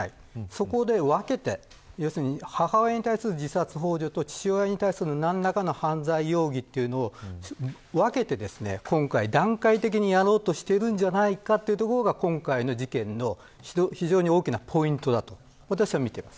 そこで分けて母親に対する自殺ほう助と父親に対する何らかの犯罪容疑というものを分けて今回、段階的にやろうとしているんじゃないかというのが、今回の事件の非常に大きなポイントだと私は見ています。